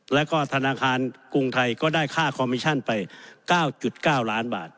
แล้วก็ธนาคารกรุงไทยก็ได้ค่าคอมมิชั่นไป๙๙ล้านบาท